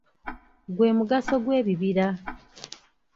Gwe mugaso gw’ebibira.